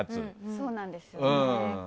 そうなんですよね。